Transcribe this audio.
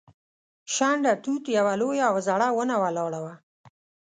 شنډه توت یوه لویه او زړه ونه ولاړه وه.